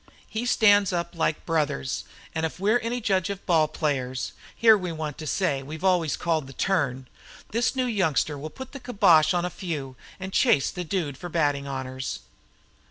He stands up like Brouthers, and if we're any judge of ball players here we want to say we've always called the turn this new youngster will put the kibosh on a few and 'chase' the Dude for batting honors."